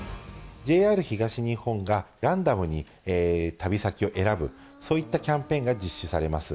ＪＲ東日本がランダムに旅先を選ぶ、そういったキャンペーンが実施されます。